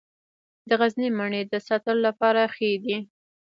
د غزني مڼې د ساتلو لپاره ښې دي.